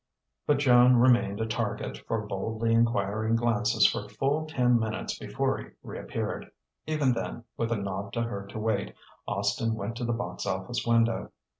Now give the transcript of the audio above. But Joan remained a target for boldly enquiring glances for full ten minutes before he reappeared. Even then, with a nod to her to wait, Austin went to the box office window.